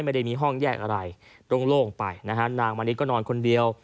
ไม่ได้มีห้องแยกอะไรโล่งไปนะฮะนางมณิชก็นอนคนเดียว